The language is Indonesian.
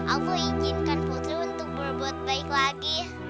aku inginkan putri untuk berbuat baik lagi